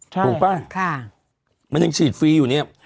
ใช่พูดป่ะค่ะมันยังฉีดฟรีอยู่เนี้ย